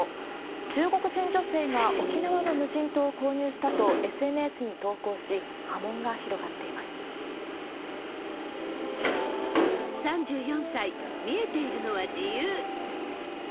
中国人女性が沖縄の無人島を購入したとＳＮＳに投稿し、波紋が広３４歳、見えているのは自由。